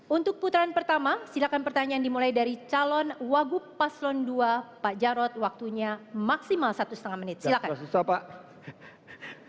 untuk putaran pertama silakan pertanyaan dimulai dari calon wagub paslon dua pak jarod waktunya maksimal satu setengah menit silahkan